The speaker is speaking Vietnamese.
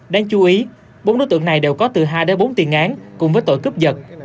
đáng chú ý bốn đối tượng này đều có từ hai đến bốn tiền án cùng với tội cướp giật